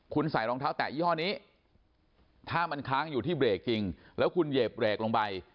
คุณใส่รองเท้าแตะยี่ห้อนี้ถ้ามันค้างอยู่ที่เบรกจริงแล้วคุณเหยียบเบรกลงไป